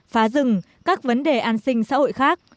phá rừng các vấn đề an sinh xã hội khác